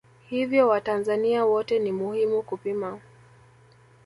Hivyo watanzania wote ni muhimu kupima